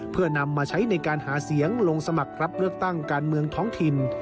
เพื่อนำมาใช้ในการหาเสียงลงสมัครรับเลือกตั้งการเมืองท้องถิ่น